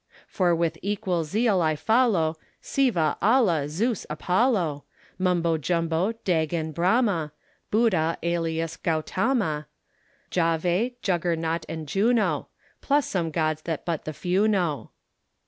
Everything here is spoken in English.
For with equal zeal I follow Sivah, Allah, Zeus, Apollo, Mumbo Jumbo, Dagon, Brahma, Buddha alias Gautama, Jahvé, Juggernaut and Juno Plus some gods that but the few know.